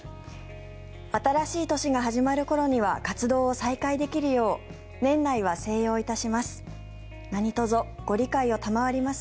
新しい年が始まる頃には活動を再開できるよう年内は静養いたします。